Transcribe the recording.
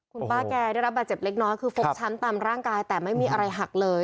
คุณป้าแกได้รับบาดเจ็บเล็กน้อยคือฟกช้ำตามร่างกายแต่ไม่มีอะไรหักเลย